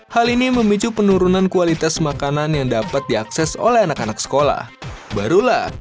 hal ini memicu penurunan kualitas makanan yang dapat diakses oleh anak anak sekolah barulah